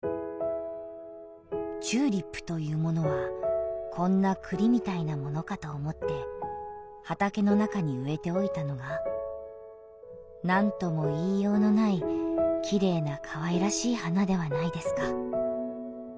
「チューリップというものはこんな栗みたいなものかと思って畑の中に植えておいたのがなんとも言いようのない綺麗な可愛らしい花ではないですか」。